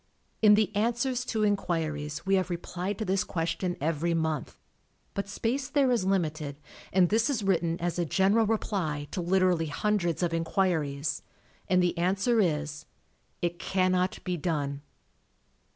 In the Answers to Inquiries we have replied to this question every month, but space there is limited, and this is written as a general reply to literally hundreds of inquiries, and the answer is: "It cannot be done."